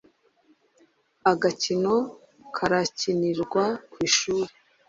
Agakino karakinirwa ku ishuri.